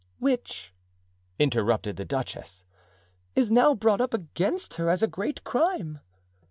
"Which," interrupted the duchess, "is now brought up against her as a great crime."